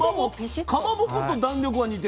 かまぼこと弾力は似てるかも。